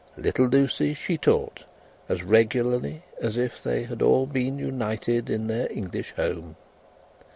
Little Lucie she taught, as regularly, as if they had all been united in their English home.